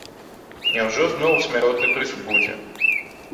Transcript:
Няўжо зноў смяротны прысуд будзе?